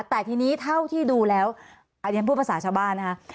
แต่ทีนี้เท่าที่ดูแล้วอันนี้ฉันพูดภาษาชาวบ้านนะคะ